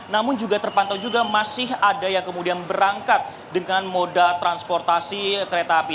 namun juga terpantau juga masih ada yang kemudian berangkat dengan moda transportasi kereta api